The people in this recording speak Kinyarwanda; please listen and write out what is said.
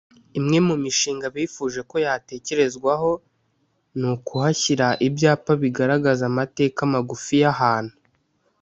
Imwe mu mishinga bifuje ko yatekerezwaho ni ukuhashyira ibyapa bigaragaza amateka magufi y’ahantu